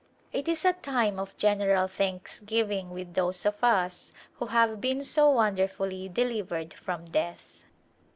It is a time of general thanksgiving with those of us who have been so wonderfully delivered from death.